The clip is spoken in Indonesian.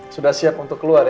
sudah siap untuk keluar ya